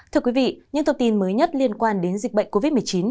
thưa quý vị những thông tin mới nhất liên quan đến dịch bệnh covid một mươi chín